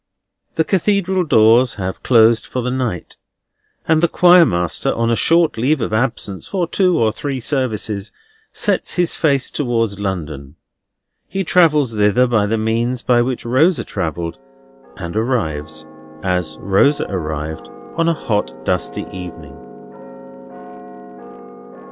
The Cathedral doors have closed for the night; and the Choir master, on a short leave of absence for two or three services, sets his face towards London. He travels thither by the means by which Rosa travelled, and arrives, as Rosa arrived, on a hot, dusty evening.